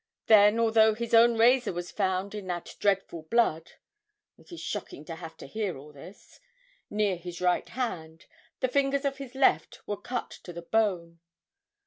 Then, although his own razor was found in that dreadful blood (it is shocking to have to hear all this) near his right hand, the fingers of his left were cut to the bone.